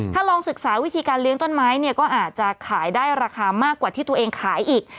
ถ้าลองศึกษาวิธีการเลี้ยงต้นไม้เนี่ยก็อาจจะขายได้ราคามากกว่าที่ตัวเองขายอีก